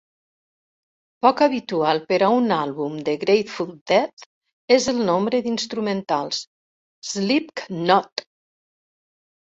Poc habitual per a un àlbum de Grateful Dead és el nombre d'instrumentals: Slipknot!